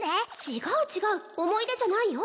違う違う思い出じゃないよ